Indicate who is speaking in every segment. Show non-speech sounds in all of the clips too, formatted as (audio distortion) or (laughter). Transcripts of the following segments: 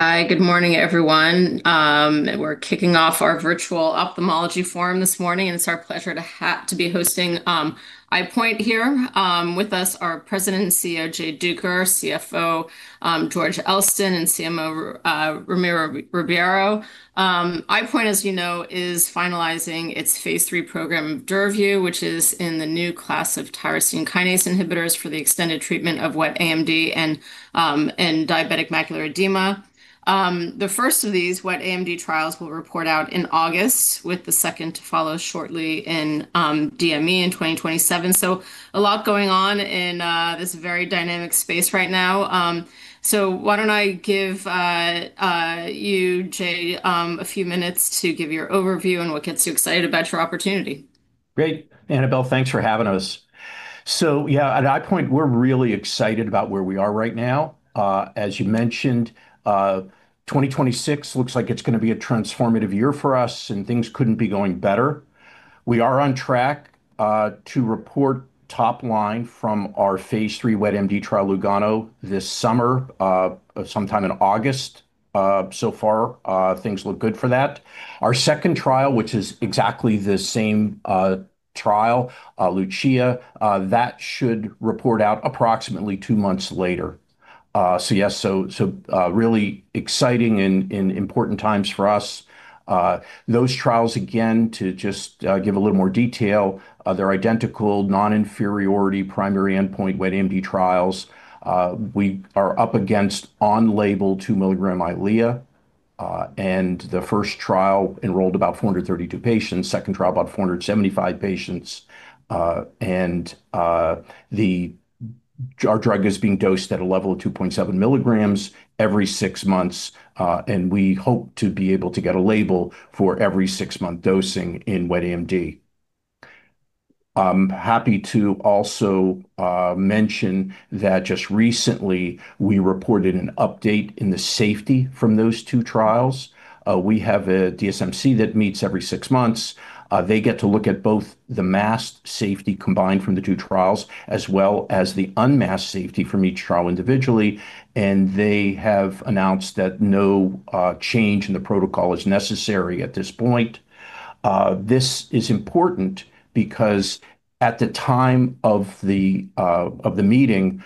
Speaker 1: Hi, good morning, everyone. We're kicking off our virtual ophthalmology forum this morning, and it's our pleasure to have to be hosting EyePoint here. With us are President and CEO, Jay Duker, CFO, George Elston, and CMO, Ramiro Ribeiro. EyePoint, as you know, is finalizing its phase III program DURAVYU, which is in the new class of tyrosine kinase inhibitors for the extended treatment of wet AMD and diabetic macular edema. The first of these wet AMD trials will report out in August, with the second to follow shortly in DME in 2027. A lot going on in this very dynamic space right now. Why don't I give you, Jay, a few minutes to give your overview and what gets you excited about your opportunity.
Speaker 2: Great. Annabel, thanks for having us. Yeah, at EyePoint, we're really excited about where we are right now. As you mentioned, 2026 looks like it's going to be a transformative year for us, things couldn't be going better. We are on track to report top line from our phase III wet AMD trial, LUGANO, this summer, sometime in August. Far, things look good for that. Our second trial, which is exactly the same trial, LUCIA, should report out approximately two months later. Yes, really exciting and important times for us. Those trials, again, to just give a little more detail, they're identical non-inferiority primary endpoint wet AMD trials. We are up against on-label 2 mg EYLEA, the first trial enrolled about 432 patients, second trial about 475 patients. Our drug is being dosed at a level of 2.7 mg every six months, and we hope to be able to get a label for every six-month dosing in wet AMD. I'm happy to also mention that just recently, we reported an update in the safety from those two trials. We have a DSMC that meets every six months. They get to look at both the masked safety combined from the two trials as well as the unmasked safety from each trial individually, and they have announced that no change in the protocol is necessary at this point. This is important because, at the time of the meeting,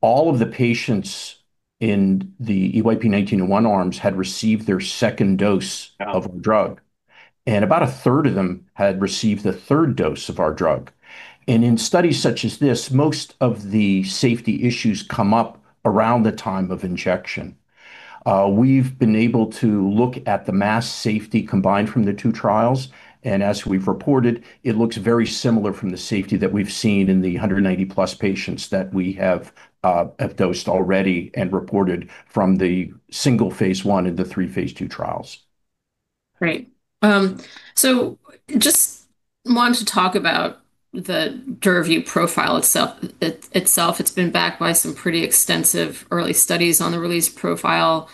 Speaker 2: all of the patients in the EYP-1901 arms had received their second dose of our drug, and about a third of them had received the third dose of our drug. In studies such as this, most of the safety issues come up around the time of injection. We've been able to look at the masked safety combined from the two trials, and as we've reported, it looks very similar from the safety that we've seen in the 190+ patients that we have dosed already and reported from the single phase I and the three phase II trials.
Speaker 1: Great. Just wanted to talk about the DURAVYU profile itself. It's been backed by some pretty extensive early studies on the release profile.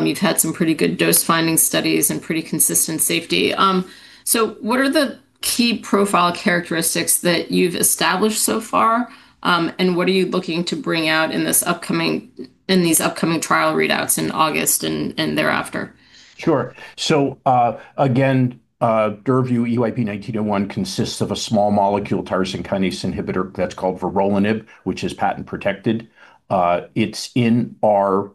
Speaker 1: You've had some pretty good dose-finding studies and pretty consistent safety. What are the key profile characteristics that you've established so far, and what are you looking to bring out in these upcoming trial readouts in August and thereafter?
Speaker 2: Sure. Again, DURAVYU EYP-1901 consists of a small molecule tyrosine kinase inhibitor that's called vorolanib, which is patent protected. It's in our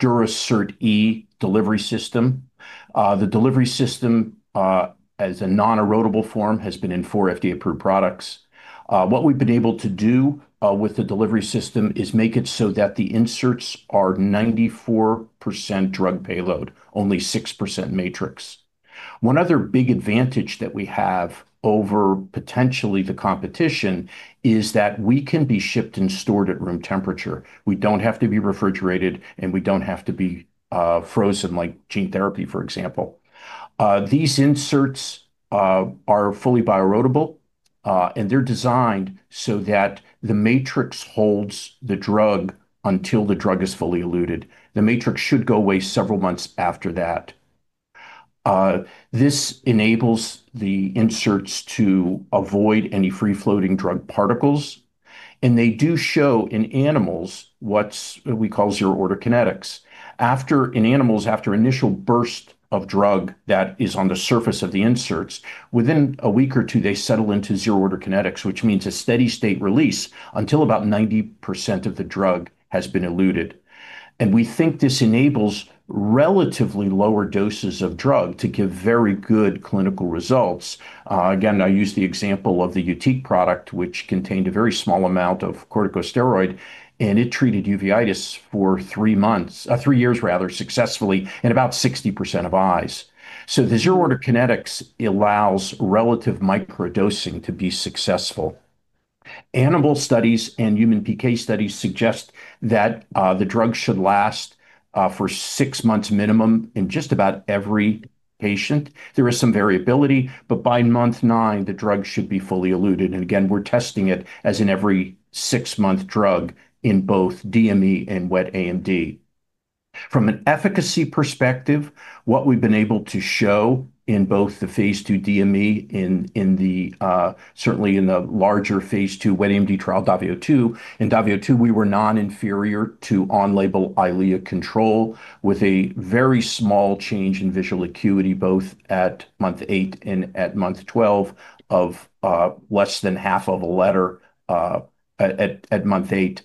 Speaker 2: Durasert E delivery system. The delivery system, as a non-erodible form, has been in four FDA-approved products. What we've been able to do with the delivery system is make it so that the inserts are 94% drug payload, only 6% matrix. One other big advantage that we have over potentially the competition is that we can be shipped and stored at room temperature. We don't have to be refrigerated, and we don't have to be frozen like gene therapy, for example. These inserts are fully bio-erodible, and they're designed so that the matrix holds the drug until the drug is fully eluted. The matrix should go away several months after that. This enables the inserts to avoid any free-floating drug particles, and they do show in animals what we call zero-order kinetics. In animals, after initial burst of drug that is on the surface of the inserts, within a week or two, they settle into zero-order kinetics, which means a steady state release until about 90% of the drug has been eluted. We think this enables relatively lower doses of drug to give very good clinical results. Again, I use the example of the YUTIQ product, which contained a very small amount of corticosteroid, and it treated uveitis for three years rather successfully in about 60% of eyes. The zero-order kinetics allows relative microdosing to be successful. Animal studies and human PK studies suggest that the drug should last for six months minimum in just about every patient. There is some variability, but by month nine, the drug should be fully eluted. Again, we're testing it as an every six-month drug in both DME and wet AMD. From an efficacy perspective, what we've been able to show in both the phase II DME, certainly in the larger phase II wet AMD trial, DAVIO 2. In DAVIO 2, we were non-inferior to on-label EYLEA control with a very small change in visual acuity, both at month eight and at month 12 of less than half of a letter at month eight.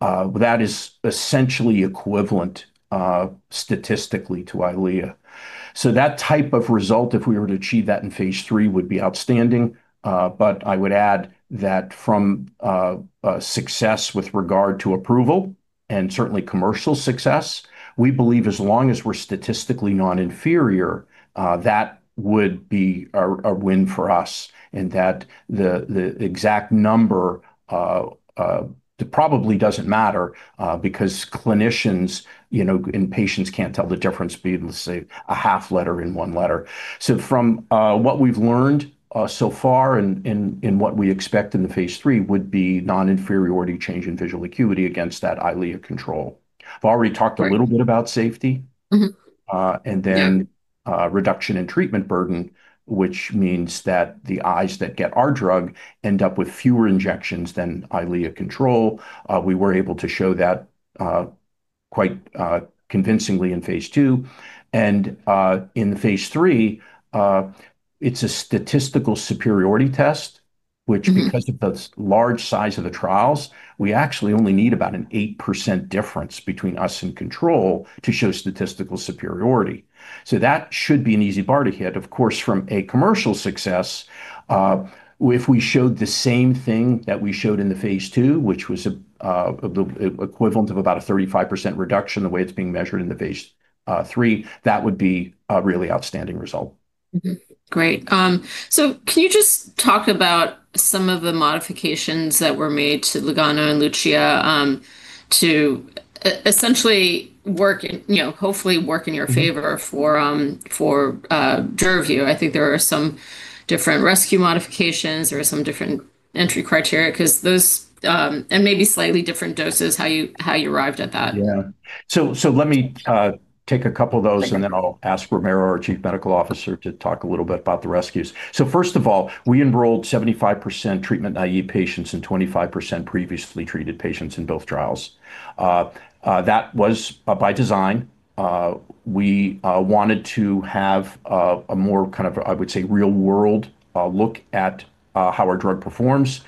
Speaker 2: That is essentially equivalent statistically to EYLEA. That type of result, if we were to achieve that in phase III, would be outstanding. I would add that from a success with regard to approval and certainly commercial success, we believe as long as we're statistically non-inferior, that would be a win for us and that the exact number probably doesn't matter because clinicians and patients can't tell the difference between, let's say, a half letter and one letter. From what we've learned so far and what we expect in the phase III would be non-inferiority change in visual acuity against that EYLEA control. I've already talked a little bit about safety.
Speaker 1: Mm-hmm. Yeah.
Speaker 2: Reduction in treatment burden, which means that the eyes that get our drug end up with fewer injections than EYLEA control. We were able to show that quite convincingly in phase II. In phase III, it's a statistical superiority test, which because of the large size of the trials, we actually only need about an 8% difference between us and control to show statistical superiority. That should be an easy bar to hit. Of course, from a commercial success, if we showed the same thing that we showed in the phase II, which was equivalent of about a 35% reduction in the way it's being measured in the phase III, that would be a really outstanding result.
Speaker 1: Great. Can you just talk about some of the modifications that were made to LUGANO and LUCIA to essentially, hopefully, work in your favor for DURAVYU? I think there are some different rescue modifications. There are some different entry criteria. Maybe slightly different doses, how you arrived at that.
Speaker 2: Yeah. Let me take a couple of those.
Speaker 1: Okay.
Speaker 2: I'll ask Ramiro, our Chief Medical Officer, to talk a little bit about the rescues. First of all, we enrolled 75% treatment-naive patients and 25% previously treated patients in both trials. That was by design. We wanted to have a more, I would say, real-world look at how our drug performs.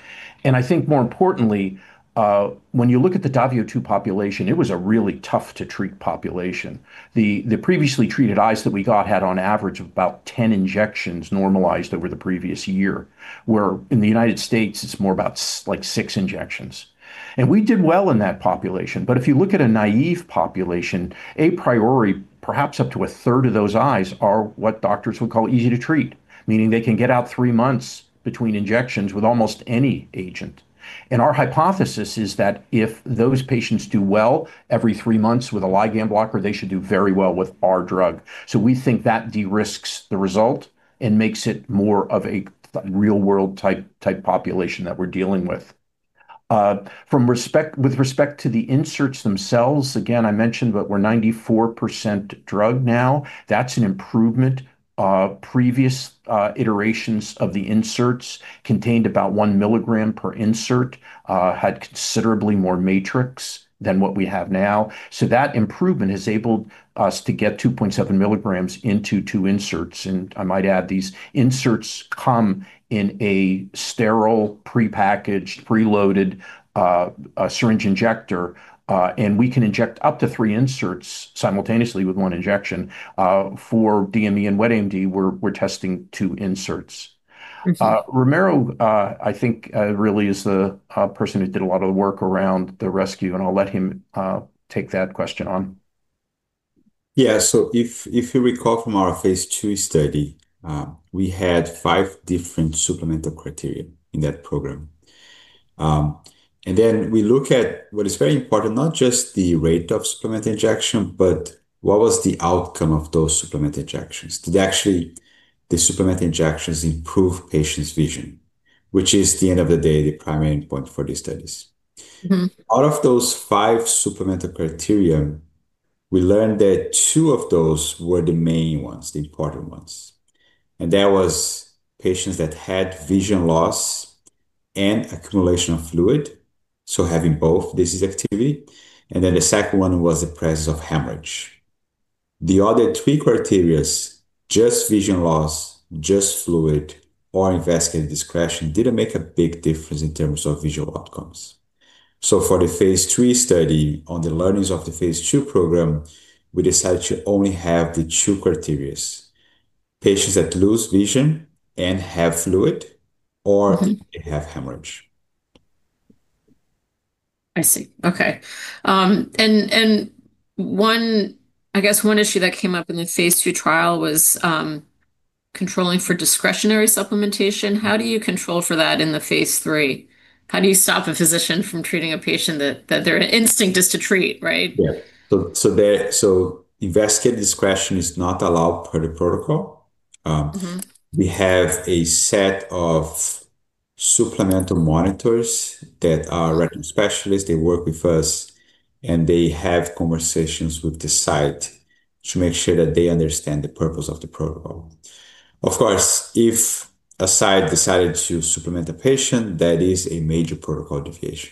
Speaker 2: I think more importantly, when you look at the DAVIO 2 population, it was a really tough-to-treat population. The previously treated eyes that we got had on average about 10 injections normalized over the previous year, where in the United States, it's more about six injections. We did well in that population. If you look at a naive population, a priori, perhaps up to a third of those eyes are what doctors would call easy to treat, meaning they can get out three months between injections with almost any agent. Our hypothesis is that if those patients do well every three months with a ligand blocker, they should do very well with our drug. We think that de-risks the result and makes it more of a real-world type population that we're dealing with. With respect to the inserts themselves, again, I mentioned that we're 94% drug now. That's an improvement. Previous iterations of the inserts contained about 1 mg per insert, had considerably more matrix than what we have now. That improvement has enabled us to get 2.7 mg into two inserts. I might add, these inserts come in a sterile prepackaged, preloaded syringe injector, and we can inject up to three inserts simultaneously with one injection. For DME and wet AMD, we're testing two inserts.
Speaker 1: I see.
Speaker 2: Ramiro, I think, really is the person who did a lot of work around the rescue, and I'll let him take that question on.
Speaker 3: Yeah. If you recall from our phase II study, we had five different supplemental criteria in that program. We look at what is very important, not just the rate of supplement injection, but what was the outcome of those supplement injections. Did the supplement injections improve patients' vision? Which is at the end of the day, the primary endpoint for these studies. Out of those five supplemental criteria, we learned that two of those were the main ones, the important ones. That was patients that had vision loss and accumulation of fluid. Having both disease activity. Then the second one was the presence of hemorrhage. The other three criteria, just vision loss, just fluid, (audio distortion) discretion, didn't make a big difference in terms of visual outcomes. For the phase III study on the learnings of the phase II program, we decided to only have the two criteria: patients that lose vision and have fluid or have hemorrhage.
Speaker 1: I see. Okay. I guess one issue that came up in the phase II trial was controlling for discretionary supplementation. How do you control for that in the phase III? How do you stop a physician from treating a patient that their instinct is to treat, right?
Speaker 3: Yeah. Vascular discretion is not allowed per the protocol. We have a set of supplemental monitors that are retina specialists. They work with us, and they have conversations with the site to make sure that they understand the purpose of the protocol. Of course, if a site decided to supplement a patient, that is a major protocol deviation.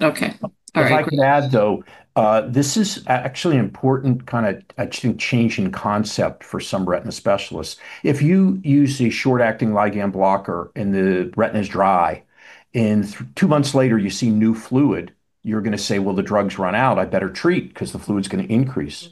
Speaker 1: Okay. All right.
Speaker 2: If I could add, though, this is actually an important kind of actually change in concept for some retina specialists. If you use a short-acting ligand blocker and the retina's dry, and two months later you see new fluid, you're going to say, "Well, the drug's run out. I better treat because the fluid's going to increase."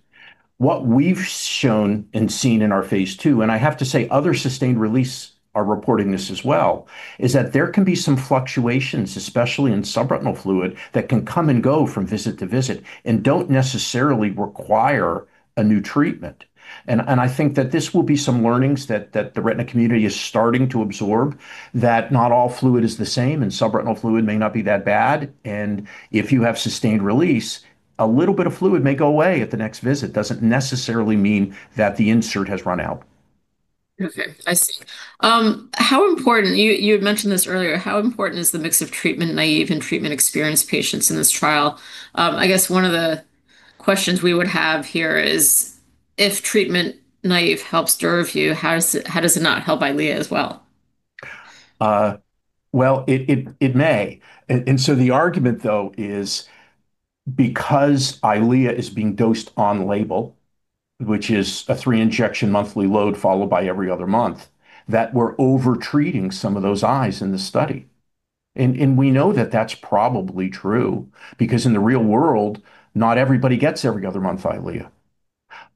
Speaker 2: What we've shown and seen in our phase II, and I have to say other sustained release are reporting this as well, is that there can be some fluctuations, especially in subretinal fluid, that can come and go from visit to visit and don't necessarily require a new treatment. I think that this will be some learnings that the retina community is starting to absorb, that not all fluid is the same, and subretinal fluid may not be that bad. If you have sustained release, a little bit of fluid may go away at the next visit. It doesn't necessarily mean that the insert has run out.
Speaker 1: Okay, I see. You had mentioned this earlier. How important is the mix of treatment-naive and treatment-experienced patients in this trial? I guess one of the questions we would have here is if treatment-naive helps DURAVYU, how does it not help EYLEA as well?
Speaker 2: Well, it may. The argument, though, is because EYLEA is being dosed on-label, which is a three-injection monthly load followed by every other month, that we're over-treating some of those eyes in the study. We know that that's probably true because in the real world, not everybody gets every other month EYLEA.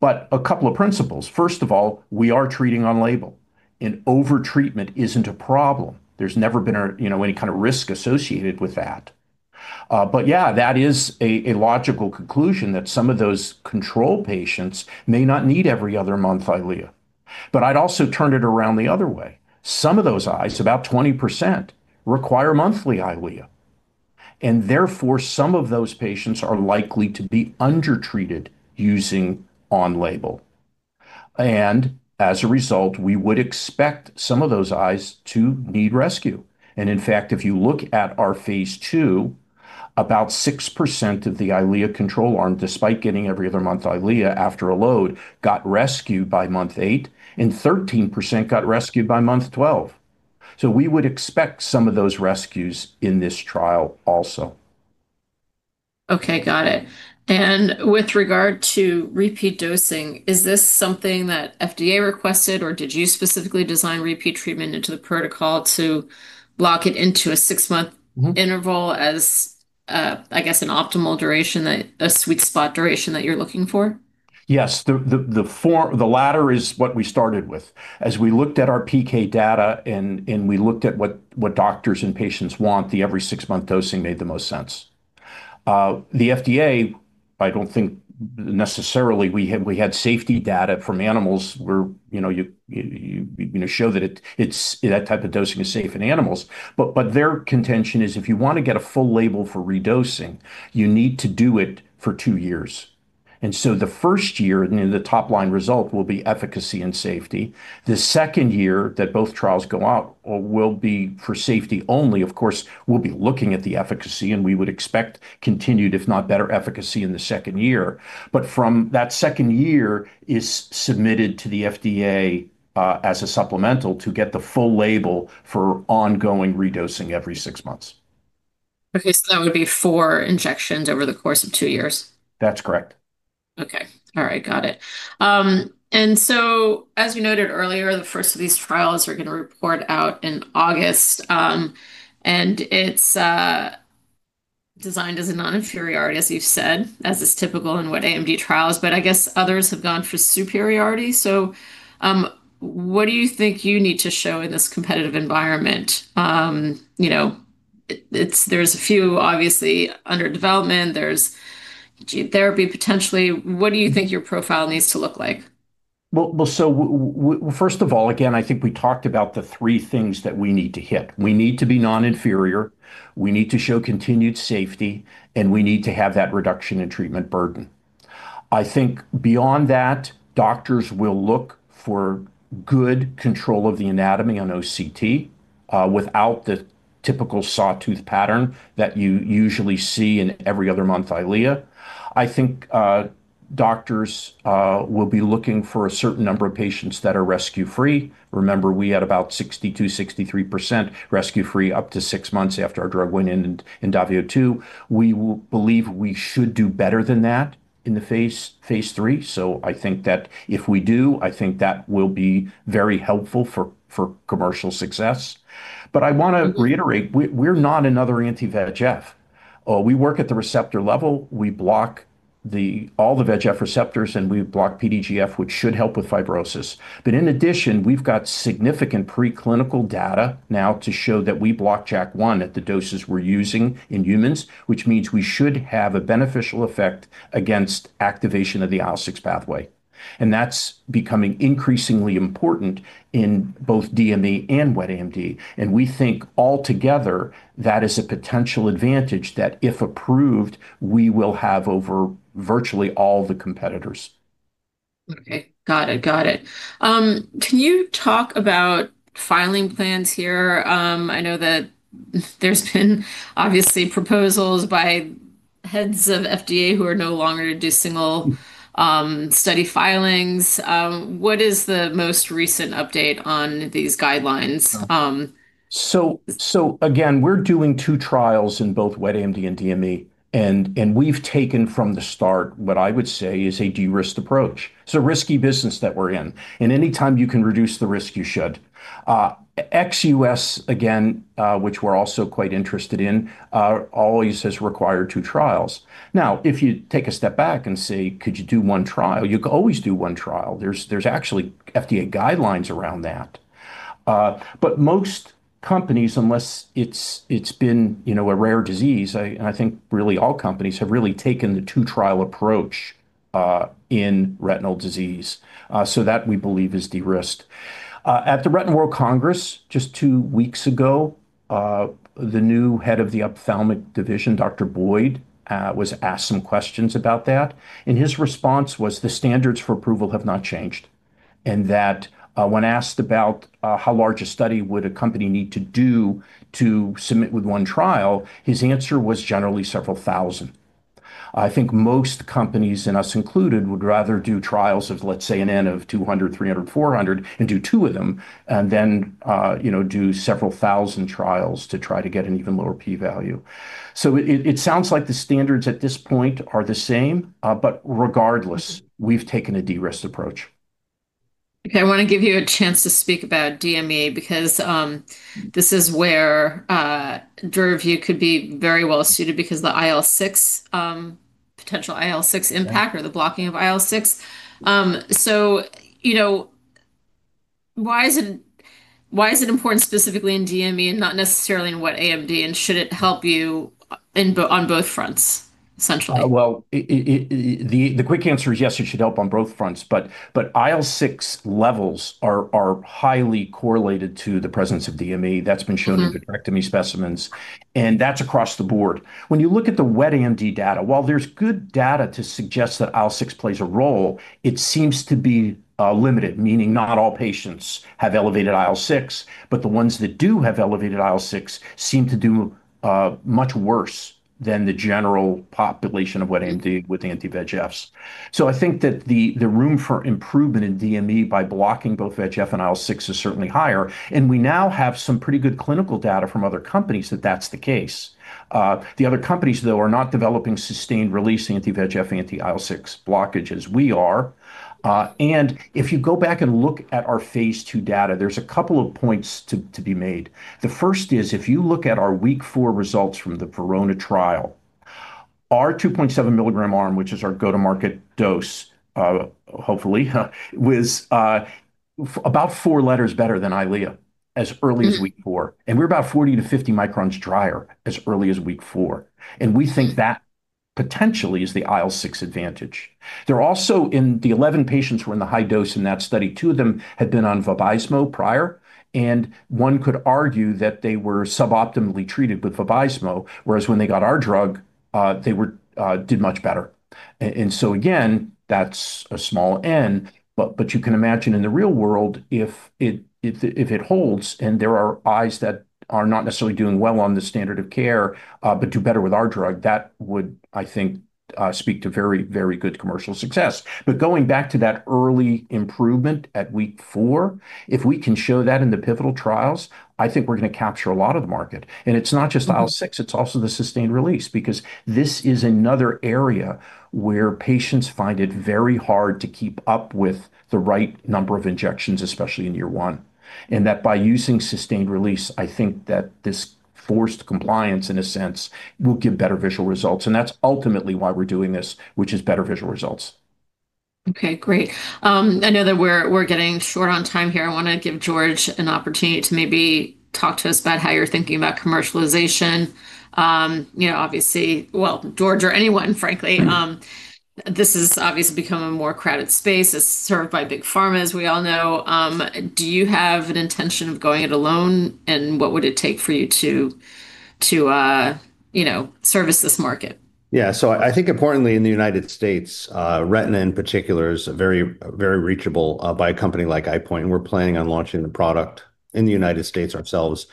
Speaker 2: A couple of principles. First of all, we are treating on-label, and over-treatment isn't a problem. There's never been any kind of risk associated with that. Yeah, that is a logical conclusion that some of those control patients may not need every other month EYLEA. I'd also turn it around the other way. Some of those eyes, about 20%, require monthly EYLEA, and therefore, some of those patients are likely to be under-treated using on-label. As a result, we would expect some of those eyes to need rescue. In fact, if you look at our phase II, about 6% of the EYLEA control arm, despite getting every other month EYLEA after a load, got rescued by month eight, and 13% got rescued by month 12. We would expect some of those rescues in this trial also.
Speaker 1: Okay, got it. With regard to repeat dosing, is this something that FDA requested, or did you specifically design repeat treatment into the protocol to lock it into a six-month interval as I guess an optimal duration, a sweet spot duration that you're looking for?
Speaker 2: Yes. The latter is what we started with. As we looked at our PK data and we looked at what doctors and patients want, the every six-month dosing made the most sense. The FDA, I don't think necessarily we had safety data from animals where you show that that type of dosing is safe in animals. Their contention is if you want to get a full label for re-dosing, you need to do it for two years. The first year, and the top-line result will be efficacy and safety. The second year that both trials go out will be for safety only. Of course, we'll be looking at the efficacy, and we would expect continued, if not better efficacy in the second year. From that second year is submitted to the FDA as a supplemental to get the full label for ongoing re-dosing every six months.
Speaker 1: Okay. That would be four injections over the course of two years?
Speaker 2: That's correct.
Speaker 1: Okay. All right. Got it. As we noted earlier, the first of these trials we're going to report out in August. It's designed as a non-inferiority, as you've said, as is typical in wet AMD trials. I guess others have gone for superiority. What do you think you need to show in this competitive environment? There's a few obviously under development. There's gene therapy potentially. What do you think your profile needs to look like?
Speaker 2: First of all, again, I think we talked about the three things that we need to hit. We need to be non-inferior, we need to show continued safety, and we need to have that reduction in treatment burden. I think beyond that, doctors will look for good control of the anatomy on OCT without the typical sawtooth pattern that you usually see in every other month EYLEA. I think doctors will be looking for a certain number of patients that are rescue-free. Remember, we had about 62%, 63% rescue-free up to six months after our drug went in DAVIO 2. We believe we should do better than that in the phase III. I think that if we do, I think that will be very helpful for commercial success. I want to reiterate, we're not another anti-VEGF. We work at the receptor level. We block all the VEGF receptors, and we block PDGF, which should help with fibrosis. In addition, we've got significant preclinical data now to show that we block JAK1 at the doses we're using in humans, which means we should have a beneficial effect against activation of the IL-6 pathway. That's becoming increasingly important in both DME and wet AMD. We think altogether that is a potential advantage that if approved, we will have over virtually all the competitors.
Speaker 1: Okay. Got it. Can you talk about filing plans here? I know that there's been obviously proposals by heads of FDA who are no longer doing single study filings. What is the most recent update on these guidelines?
Speaker 2: Again, we're doing two trials in both wet AMD and DME, and we've taken from the start, what I would say is a de-risk approach. It's a risky business that we're in, and any time you can reduce the risk, you should. Ex-U.S., again, which we're also quite interested in, always has required two trials. If you take a step back and say, could you do one trial? You could always do one trial. There's actually FDA guidelines around that. Most companies, unless it's been a rare disease, I think really all companies have really taken the two-trial approach in retinal disease. That we believe is de-risked. At the Retina World Congress just two weeks ago, the new head of the ophthalmic division, Dr. Boyd, was asked some questions about that, and his response was the standards for approval have not changed, and that when asked about how large a study would a company need to do to submit with one trial, his answer was generally several thousand. I think most companies, and us included, would rather do trials of, let's say, an N of 200, 300, 400, and do two of them, and then do several thousand trials to try to get an even lower p-value. It sounds like the standards at this point are the same. Regardless, we've taken a de-risk approach.
Speaker 1: I want to give you a chance to speak about DME because this is where DURAVYU could be very well-suited because of the potential IL-6 impact or the blocking of IL-6. Why is it important specifically in DME and not necessarily in wet AMD, and should it help you on both fronts, essentially?
Speaker 2: The quick answer is yes, it should help on both fronts, but IL-6 levels are highly correlated to the presence of DME. That's been shown in the direct DME specimens, and that's across the board. When you look at the wet AMD data, while there's good data to suggest that IL-6 plays a role, it seems to be limited, meaning not all patients have elevated IL-6, but the ones that do have elevated IL-6 seem to do much worse than the general population of wet AMD with anti-VEGFs. I think that the room for improvement in DME by blocking both VEGF and IL-6 is certainly higher, and we now have some pretty good clinical data from other companies that that's the case. The other companies, though, are not developing sustained-release anti-VEGF, anti-IL-6 blockage as we are. If you go back and look at our phase II data, there's a couple of points to be made. The first is, if you look at our week four results from the VERONA trial, our 2.7 mg arm, which is our go-to-market dose, hopefully, was about four letters better than EYLEA as early as week four. We're about 40-50 microns drier as early as week four. We think that potentially is the IL-6 advantage. There also in the 11 patients who were in the high dose in that study, two of them had been on VABYSMO prior, and one could argue that they were suboptimally treated with VABYSMO, whereas when they got our drug, they did much better. Again, that's a small N, but you can imagine in the real world, if it holds and there are eyes that are not necessarily doing well on the standard of care but do better with our drug, that would, I think, speak to very good commercial success. Going back to that early improvement at week four, if we can show that in the pivotal trials, I think we're going to capture a lot of the market. It's not just IL-6, it's also the sustained release, because this is another area where patients find it very hard to keep up with the right number of injections, especially in year one. That by using sustained release, I think that this forced compliance, in a sense, will give better visual results, and that's ultimately why we're doing this, which is better visual results.
Speaker 1: Okay, great. I know that we're getting short on time here. I want to give George an opportunity to maybe talk to us about how you're thinking about commercialization. Obviously, well, George or anyone, frankly, this has obviously become a more crowded space. It's served by big pharma, as we all know. Do you have an intention of going it alone, and what would it take for you to service this market?
Speaker 4: Yeah. I think importantly in the United States, retina in particular is very reachable by a company like EyePoint, and we're planning on launching the product in the United States ourselves.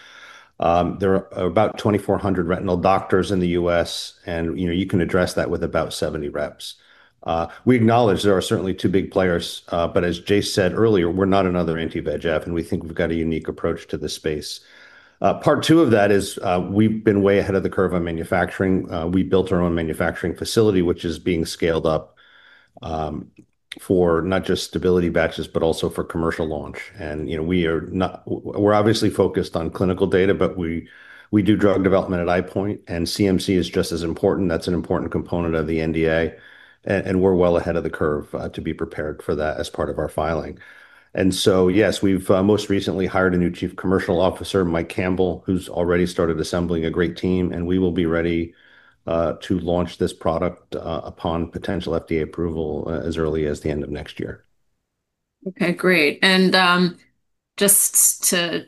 Speaker 4: There are about 2,400 retinal doctors in the U.S., and you can address that with about 70 reps. We acknowledge there are certainly two big players. As Jay said earlier, we're not another anti-VEGF, and we think we've got a unique approach to the space. Part two of that is we've been way ahead of the curve on manufacturing. We built our own manufacturing facility, which is being scaled up for not just stability batches, but also for commercial launch. We're obviously focused on clinical data, but we do drug development at EyePoint, and CMC is just as important. That's an important component of the NDA, and we're well ahead of the curve to be prepared for that as part of our filing. Yes, we've most recently hired a new Chief Commercial Officer, Mike Campbell, who's already started assembling a great team, and we will be ready to launch this product upon potential FDA approval as early as the end of next year.
Speaker 1: Okay, great. Just to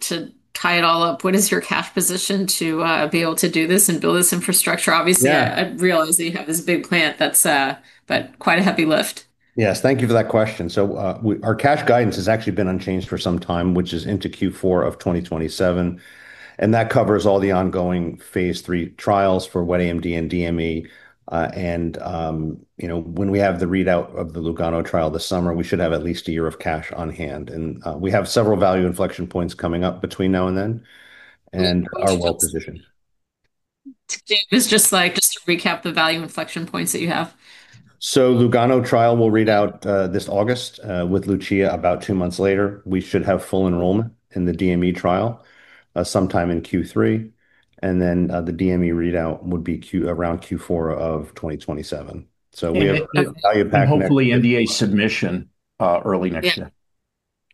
Speaker 1: tie it all up, what is your cash position to be able to do this and build this infrastructure? Obviously, I realize you have this big plant that's quite a heavy lift.
Speaker 4: Yes. Thank you for that question. Our cash guidance has actually been unchanged for some time, which is into Q4 of 2027, and that covers all the ongoing phase III trials for wet AMD and DME. When we have the readout of the LUGANO trial this summer, we should have at least a year of cash on hand. We have several value inflection points coming up between now and then, and are well positioned.
Speaker 1: Just to recap the value inflection points that you have.
Speaker 4: LUGANO trial will read out this August. With LUCIA, about two months later. We should have full enrollment in the DME trial sometime in Q3, the DME readout would be around Q4 of 2027. We have a value pack-
Speaker 2: Hopefully NDA submission early next year.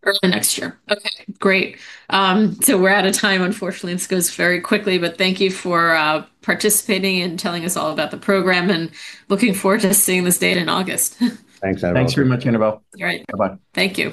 Speaker 1: Early next year. Okay. Great. We're out of time, unfortunately. This goes very quickly. Thank you for participating and telling us all about the program, and looking forward to seeing this data in August.
Speaker 4: Thanks, Annabel.
Speaker 2: Thanks very much, Annabel.
Speaker 1: All right.
Speaker 2: Bye-bye.
Speaker 1: Thank you.